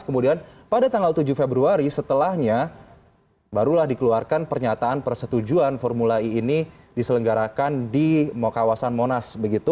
kemudian pada tanggal tujuh februari setelahnya barulah dikeluarkan pernyataan persetujuan formula e ini diselenggarakan di kawasan monas